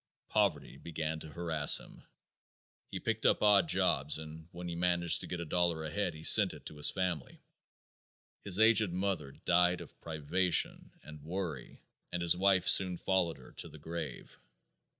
Poverty began to harass him. He picked up odd jobs and when he managed to get a dollar ahead he sent it to his family. His aged mother died of privation and worry and his wife soon followed her to the grave.